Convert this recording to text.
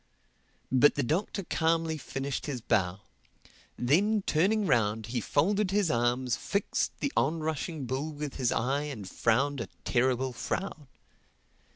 But the Doctor calmly finished his bow. Then turning round he folded his arms, fixed the on rushing bull with his eye and frowned a terrible frown.